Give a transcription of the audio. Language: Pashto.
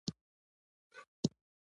تاسې اساني کوونکي لېږل شوي یاستئ.